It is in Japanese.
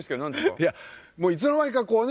いやもういつの間にかこうね。